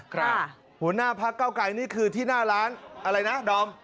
หัวหน้าพักเก้าไกรนี่คือที่หน้าร้านอะไรนะดอม